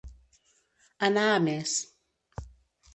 Anar a més.